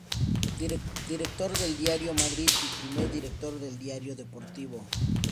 Director del diario "Madrid" y primer director del diario deportivo "As".